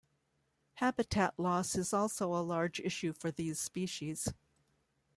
Habitat loss is also a large issue for these species.